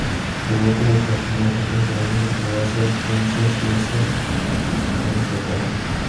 Jugó como profesional catorce años en Croacia, Francia, Suiza e Inglaterra.